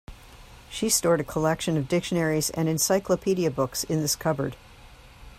She stored a collection of dictionaries and encyclopedia books in this cupboard.